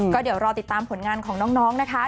ก็เดี๋ยวรอติดตามผลงานของน้องนะคะ